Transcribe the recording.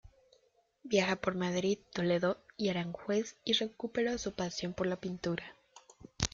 Viaja por Madrid, Toledo y Aranjuez y recupera su pasión por la pintura.